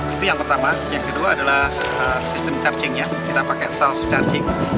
itu yang pertama yang kedua adalah sistem chargingnya kita pakai self charging